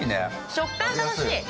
食感が楽しい。